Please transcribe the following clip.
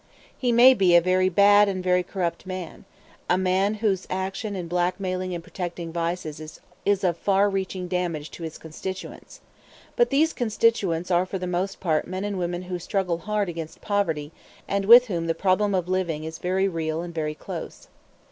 He may be a very bad and very corrupt man, a man whose action in blackmailing and protecting vice is of far reaching damage to his constituents. But these constituents are for the most part men and women who struggle hard against poverty and with whom the problem of living is very real and very close.